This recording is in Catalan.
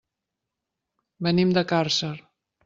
Venim de Càrcer.